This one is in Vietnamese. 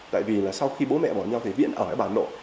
tại vì là sau khi bố mẹ bỏ nhau thì viễn ở với bà nội